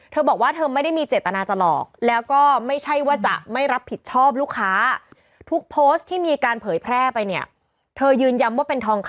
เธอบอกว่าเธอไม่ได้มีเจตนาจะหลอก